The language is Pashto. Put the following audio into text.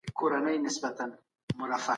ټولنيزې ستونزې تر انفرادي هغو لويې دي.